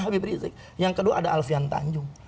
habib rizik yang kedua ada alfian tanjung